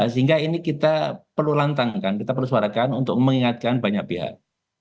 sehingga ini kita perlu lantangkan kita perlu suarakan untuk mengingatkan banyak pihak